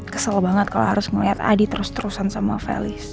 kesel banget kalau harus ngeliat adi terus terusan sama feli